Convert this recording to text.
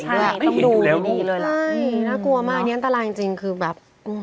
ใช่ต้องดูดีเลยละน่ากลัวมากอันตรายจริงคือแบบ